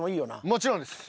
もちろんです。